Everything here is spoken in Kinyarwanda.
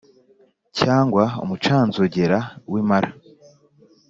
Cyangwa umucanzogera w’impara